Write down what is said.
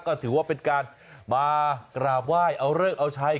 ก็ถือว่าเป็นการมากราบไหว้เอาเลิกเอาใช้